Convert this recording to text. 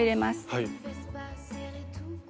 はい。